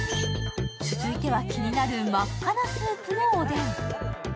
続いては気になる真っ赤なスープのおでん。